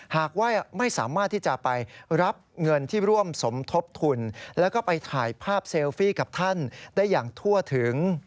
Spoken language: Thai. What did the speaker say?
หากว่าไม่สามารถที่จะไปรับเงินที่ร่วมสมทบทุนแล้วก็ไปถ่ายภาพเซลฟี่กับท่านได้อย่างทั่วถึง